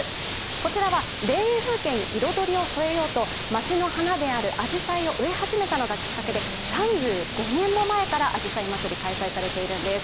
こちらは田園風景に彩りを添えようと、町の花であるあじさいを植え始めたのがきっかけで３５年も前から、あじさいまつり開催されているんです。